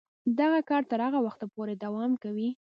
دغه کار تر هغه وخته پورې دوام کوي.